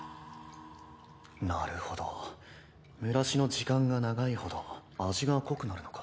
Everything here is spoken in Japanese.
なるほど蒸らしの時間が長いほど味が濃くなるのか。